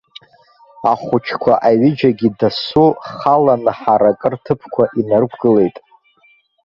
Ахәыҷқәа аҩыџьагьы дасу халаны ҳаракы рҭыԥқәа инарықәгылеит.